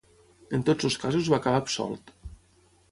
En tots els casos va acabar absolt.